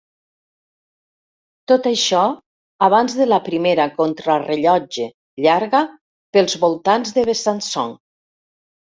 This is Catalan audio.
Tot això abans de la primera contrarellotge llarga pels voltants de Besançon.